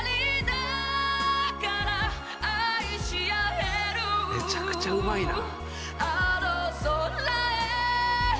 めちゃくちゃうまいな。